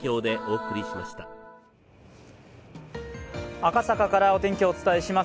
赤坂からお天気、お伝えします。